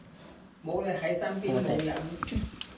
冇你喺身邊冇癮